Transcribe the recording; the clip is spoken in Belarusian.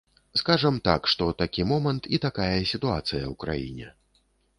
Скажам так, што такі момант і такая сітуацыя ў краіне.